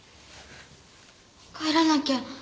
帰らなきゃ。